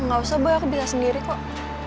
gak usah bu aku bisa sendiri kok